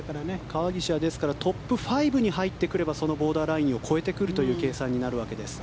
川岸はトップ５に入ってくればそのボーダーラインを超えてくるという計算になるわけです。